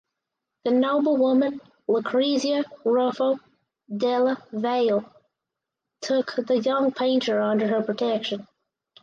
The noblewoman Lucrezia Ruffo Della Valle took the young painter under her protection.